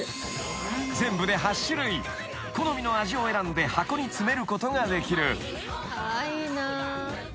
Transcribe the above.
好みの味を選んで箱に詰めることができる］